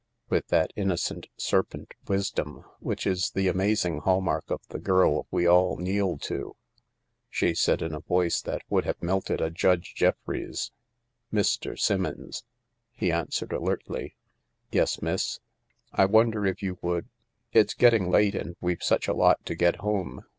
With that innocent serpent wisdom which is THE LARK the amazing h&ll mark of the girl we all kneel to, she said in a voice that Would have ttiefted a Judge Jeffreys :" Mr. Simmons." He answered alertly. " Yes, miss ?"" I wonder if you would ... it's getting late and We've such a lot to get home.